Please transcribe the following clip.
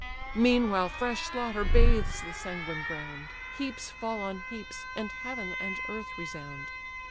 Meanwhile fresh slaughter bathes the sanguine ground, Heaps fall on heaps, and heaven and earth resound.